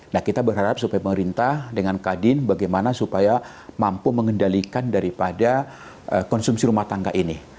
nah kita berharap supaya pemerintah dengan kadin bagaimana supaya mampu mengendalikan daripada konsumsi rumah tangga ini